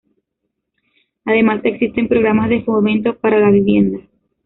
Además existen programas de fomento para la vivienda.